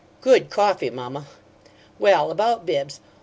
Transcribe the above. "Good coffee, mamma! Well, about Bibbs.